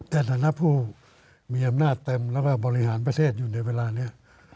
ในฐานะผู้มีอำนาจเต็มแล้วก็บริหารประเทศอยู่ในเวลานี้